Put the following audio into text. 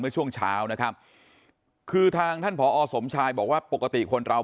เมื่อช่วงเช้านะครับคือทางท่านผอสมชายบอกว่าปกติคนเรา